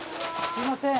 すいません。